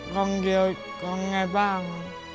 คนเดียวก็ไงบ้าง